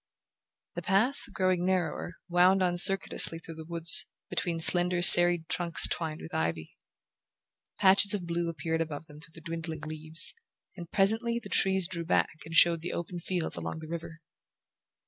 The path, growing narrower, wound on circuitously through the woods, between slender serried trunks twined with ivy. Patches of blue appeared above them through the dwindling leaves, and presently the trees drew back and showed the open fields along the river.